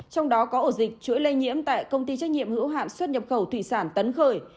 trong đó có ổ dịch chuỗi lây nhiễm tại công ty trách nhiệm hữu hạn xuất nhập khẩu thủy sản tấn khởi